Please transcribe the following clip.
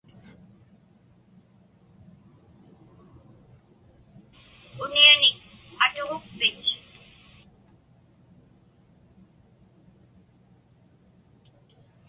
Unianik atuġukpich?